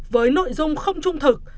với nội dung không trung thực